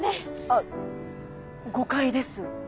あっ誤解です。